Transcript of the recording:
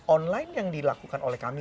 online yang dilakukan oleh kami